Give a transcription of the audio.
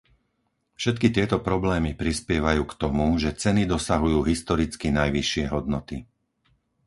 Všetky tieto problémy prispievajú k tomu, že ceny dosahujú historicky najvyššie hodnoty.